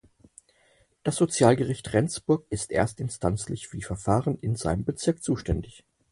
Das Sozialgericht Regensburg ist erstinstanzlich für die Verfahren in seinem Bezirk zuständig.